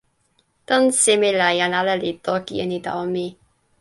tan seme la jan ala li toki e ni tawa mi?